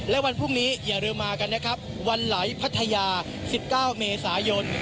และวันพรุ่งนี้อย่าลืมมากันนะครับวันไหลพัทยา๑๙เมษายน